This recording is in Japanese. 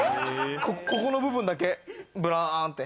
ここの部分だけブランって。